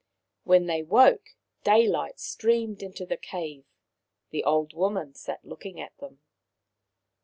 When they woke, daylight streamed into the cave. The old woman sat looking at them.